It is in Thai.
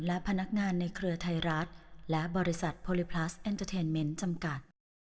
และพนักงานในเครือไทยรัฐและบริษัทโพลิพลัสเอ็นเตอร์เทนเมนต์จำกัด